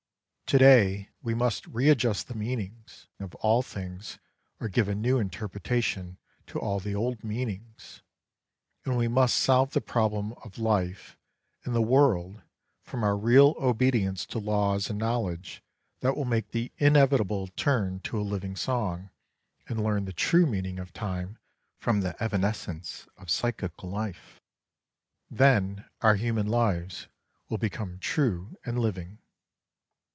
To day we must readjust the meanings of all things or give a new interpretation to all the old .meanings ; and we must solve the problem of life and the world from our real obedience to laws and knowledge that will make the inevitable turn to a living song, and learn the true meaning of time from the evanescence of psychical life ; then our human lives will become true and living.